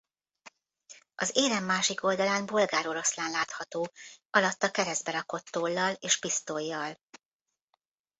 Az érem másik oldalán bolgár oroszlán látható alatta keresztbe rakott tollal és pisztollyal.